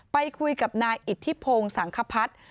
ไปคุยกับนายอิทธิพงศ์สังคพัฒน์